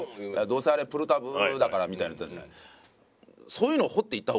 どうせあれプルタブだからみたいに言ったじゃない